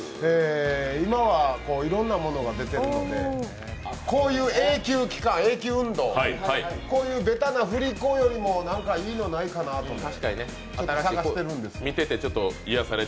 今はいろいろなものが出てるので、こういう永久運動、こういうべたな振り子よりも何かいいのないかなぁとちょっと探しているんですけど。